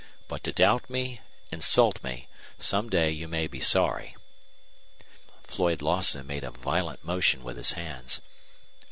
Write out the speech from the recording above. But to doubt me insult me. Some day you may be sorry." Floyd Lawson made a violent motion with his hands.